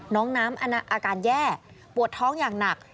น้องน้ำอาการแย่ปวดท้องอย่างหนัก